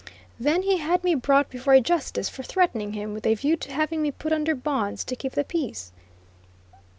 Then he had me brought before a justice for threatening him, with a view to having me put under bonds to keep the peace.